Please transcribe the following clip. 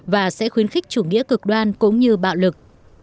và sẽ khuyến khích chủ nghĩa cực đoan cũng như bạo lực